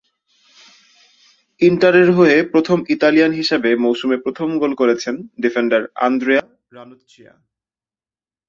ইন্টারের হয়ে প্রথম ইতালিয়ান হিসেবে মৌসুমে প্রথম গোল করেছেন ডিফেন্ডার আন্দ্রেয়া রানোচ্চিয়া।